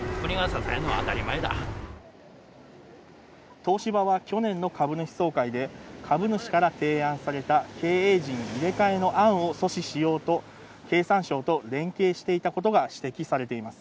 東芝は去年の株主総会で、株主から提案された経営陣入れ替えの案を阻止しようと、経産省と連携していたことが指摘されています。